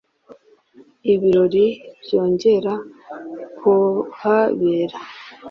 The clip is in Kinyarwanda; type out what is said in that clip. Ibirori byongera kuhabera